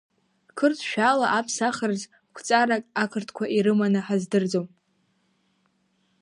Қырҭшәала аԥсахраз қәҵарак ақырҭқәа ирыманы ҳаздырӡом.